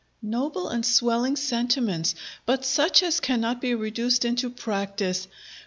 Noble and swelling sentiments! but such as cannot be reduced into practice.